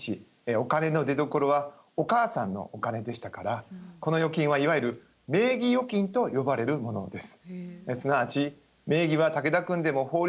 お金の出どころはお母さんのお金でしたからこの預金はいわゆる名義預金と呼ばれるものです。